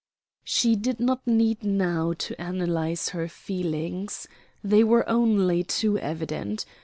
She did not need now to analyze her feelings. They were only too evident.